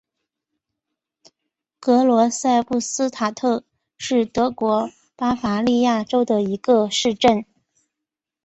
格罗赛布斯塔特是德国巴伐利亚州的一个市镇。